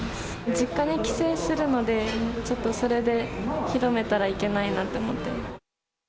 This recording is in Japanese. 実家に帰省するので、ちょっとそれで広めたらいけないなと思って。